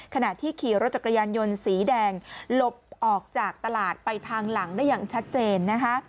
ขณะที่ขี่รถจักรยานยนต์สีแดงหลบออกจากตลาดไปทางหลังได้อย่างชัดเจนนะคะ